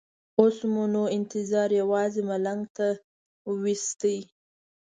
اوس مو نو انتظار یوازې ملنګ ته وېست.